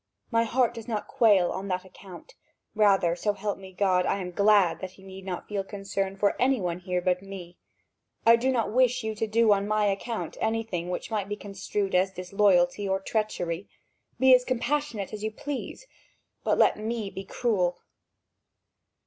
My heart does not quail on that account; rather, so help me God, I am glad that he need not feel concern for any one here but me; I do not wish you to do on my account anything which might be construed as disloyalty or treachery. Be as compassionate as you please, but let me be cruel."